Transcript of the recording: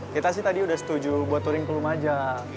kita sih tadi udah setuju buat touring kelumaja